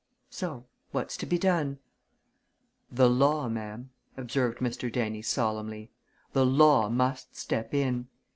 So what's to be done?" "The law, ma'am," observed Mr. Dennie, solemnly, "the law must step in.